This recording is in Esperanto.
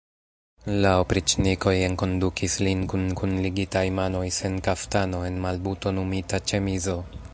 La opriĉnikoj enkondukis lin kun kunligitaj manoj, sen kaftano, en malbutonumita ĉemizo.